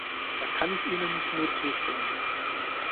Da kann ich Ihnen nur zustimmen.